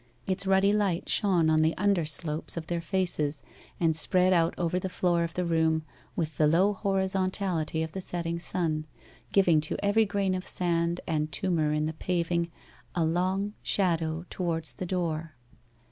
Its ruddy light shone on the underslopes of their faces, and spread out over the floor of the room with the low horizontality of the setting sun, giving to every grain of sand and tumour in the paving a long shadow towards the door.